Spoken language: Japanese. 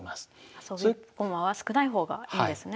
あそび駒は少ない方がいいんですね。